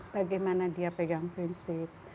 bagaimana dia pegang prinsip